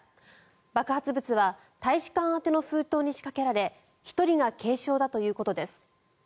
爆発物は大使館宛ての封筒に仕掛けられ１人が軽傷だということです。